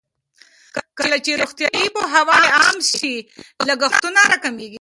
کله چې روغتیايي پوهاوی عام شي، لګښتونه راکمېږي.